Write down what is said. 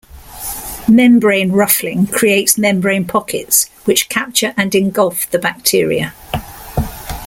Membrane ruffling creates membrane pockets which capture and engulf the bacteria.